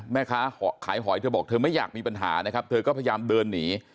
แม่ค้าขายหอยเธอบอกเธอไม่อยากมีปัญหานะครับเธอก็พยายามเดินหนี